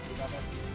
terima kasih banyak